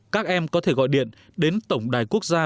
các em có thể gọi điện đến tổng đài quốc gia